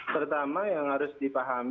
pertama yang harus dipikirkan